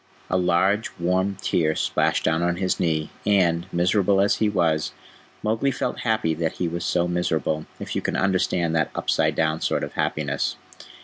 A large, warm tear splashed down on his knee, and, miserable as he was, Mowgli felt happy that he was so miserable, if you can understand that upside down sort of happiness.